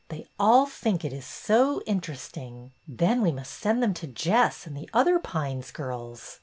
They all think it is so interesting. Then we must send them to Jess and the other Pines girls.